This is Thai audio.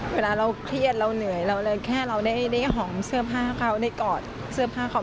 เวลาเราเครียดเราเหนื่อยเราเลยแค่เราได้หอมเสื้อผ้าเขาได้กอดเสื้อผ้าเขา